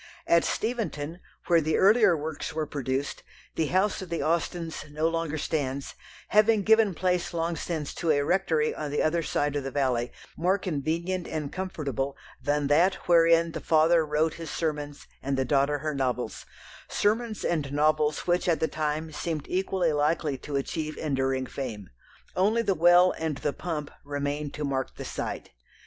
At Steventon, where the earlier works were produced, the house of the Austens no longer stands, having given place long since to a rectory on the other side of the valley, more convenient and comfortable than that wherein the father wrote his sermons and the daughter her novels sermons and novels which at the time seemed equally likely to achieve enduring fame. Only the well and the pump remain to mark the site.